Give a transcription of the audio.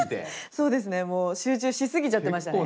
そうですねもう集中しすぎちゃってましたね。